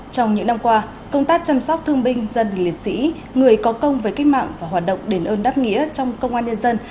trong những năm qua công tác chăm sóc thương binh gia đình liệt sĩ người có công với cách mạng và hoạt động đền ơn đáp nghĩa trong công an nhân dân